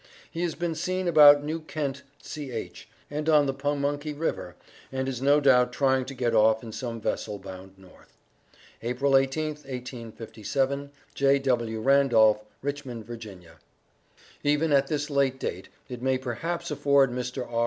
He has been seen about New Kent C.H., and on the Pamunky river, and is no doubt trying to get off in some vessel bound North. April 18th, 1857. J.W. RANDOLPH, Richmond, Va. Even at this late date, it may perhaps afford Mr. R.